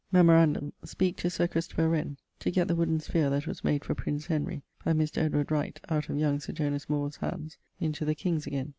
Memorandum: speake to Sir Christopher Wren to gett the wooden sphaere that was made for Prince Henry by Mr. Wright, out of young Sir Jonas Moore's handes, into the king's again.